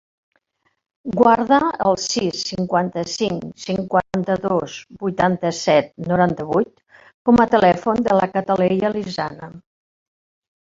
Guarda el sis, cinquanta-cinc, cinquanta-dos, vuitanta-set, noranta-vuit com a telèfon de la Cataleya Lizana.